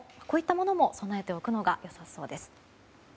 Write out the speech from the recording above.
こういったものも備えておくのがよさそうです。